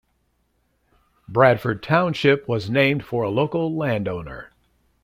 Bradford Township was named for a local landowner.